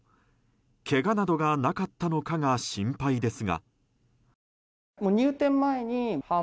けがなどがなかったのかが心配ですが。